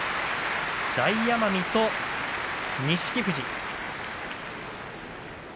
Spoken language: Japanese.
大奄美と錦富士。